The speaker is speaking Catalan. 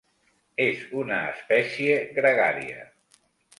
És una espècie gregària.